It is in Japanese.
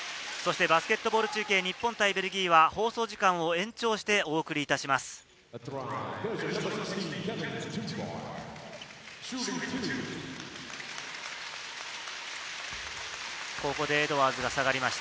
バスケットボール中継、日本対ベルギーは放送時間を延長してお送りしてまいります。